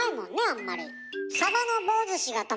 あんまり。